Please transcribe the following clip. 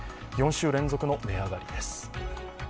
４週連続の値上がりです。